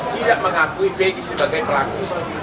tidak mengakui begi sebagai pelaku